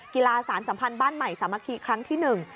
สารสัมพันธ์บ้านใหม่สามัคคีครั้งที่หนึ่ง